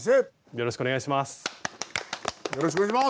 よろしくお願いします。